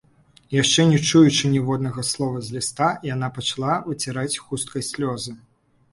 Яшчэ не чуючы ніводнага слова з ліста, яна пачала выціраць хусткай слёзы.